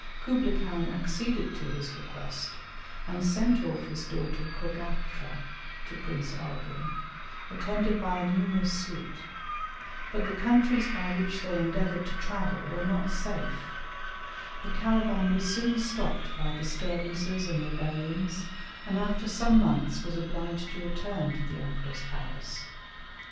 Kublaï Khan acceded to his request and sent off his daughter Cogatra to Prince Arghun, attended by a numerous suite; but the countries by which they endeavoured to travel were not safe; the caravan was soon stopped by disturbances and rebellions, and after some months was obliged to return to the Emperor's palace.